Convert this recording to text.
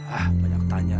hah banyak tanya